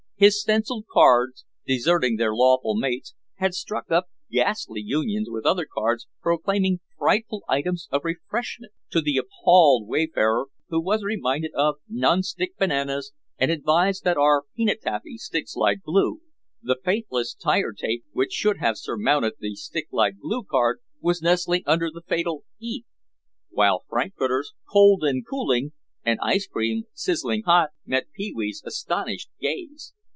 His stenciled cards, deserting their lawful mates, had struck up ghastly unions with other cards proclaiming frightful items of refreshment to the appalled wayfarer who was reminded of NON SKID BANANAS and advised that OUR PEANUT TAFFY STICKS LIKE GLUE. The faithless TIRE TAPE which should have surmounted the STICK LIKE GLUE card was nestling under the fatal EAT, while FRANKFURTERS COLD AND COOLING and ICE CREAM SIZZLING HOT met Pee wee's astonished gaze.